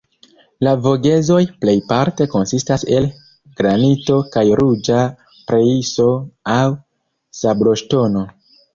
La Vogezoj plejparte konsistas el granito kaj ruĝa grejso aŭ sabloŝtono.